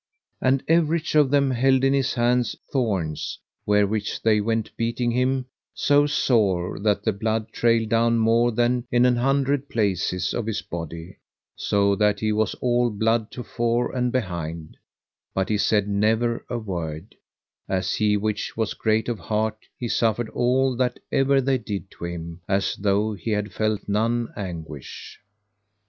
And everych of them held in his hands thorns wherewith they went beating him so sore that the blood trailed down more than in an hundred places of his body, so that he was all blood to fore and behind, but he said never a word; as he which was great of heart he suffered all that ever they did to him, as though he had felt none anguish.